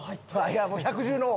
百獣の王！